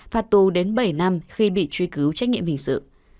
phạt tù đến bảy năm khi bị truy cứu trách nhiệm hình sự